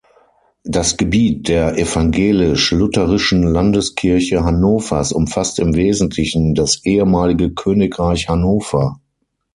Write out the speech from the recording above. Das Gebiet der "Evangelisch-lutherischen Landeskirche Hannovers" umfasst im Wesentlichen das ehemalige Königreich Hannover.